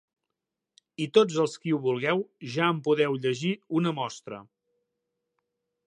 I tots els qui ho vulgueu ja en podeu llegir una mostra.